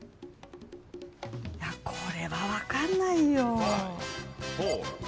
これは分かんないよ。